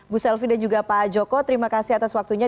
bu selvi dan juga pak joko terima kasih atas waktunya